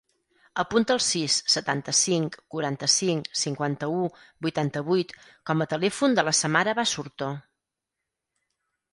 Apunta el sis, setanta-cinc, quaranta-cinc, cinquanta-u, vuitanta-vuit com a telèfon de la Samara Basurto.